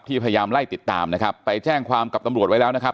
พยายามไล่ติดตามนะครับไปแจ้งความกับตำรวจไว้แล้วนะครับ